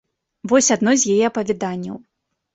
Вось адно з яе апавяданняў.